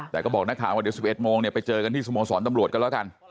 แต่ก็บอกนักข่าวว่าเดี๋ยว๑๑โมงเนี่ยไปเจอกันที่สโมสรตำรวจกันแล้วกัน